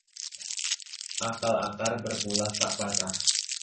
Akal akar berpulas tak patah